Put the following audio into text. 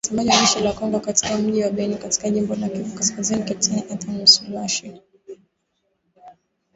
Msemaji wa jeshi la Kongo katika mji wa Beni katika jimbo la Kivu Kaskazini, Kepteni Antony Mualushayi.